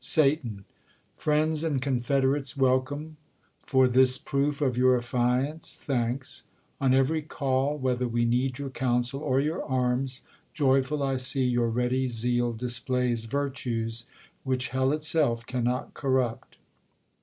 e . TT^RIENDS and confederates, welcome ! Satan. !^ for this proof Of your affiance, thanks. On every call, Whether we need yo\ir counsel or your arms. Joyful I see your ready zeal displays Virtues, which hell itself cannot corrupt.